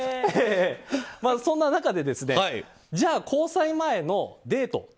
そんな中でじゃあ交際前のデート